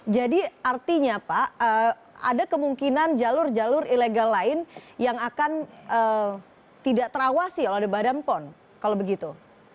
jadi artinya pak ada kemungkinan jalur jalur ilegal lain yang akan tidak terawasi oleh badan pom kalau begitu